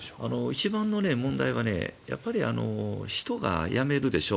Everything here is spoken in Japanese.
一番の問題は人が辞めるでしょ。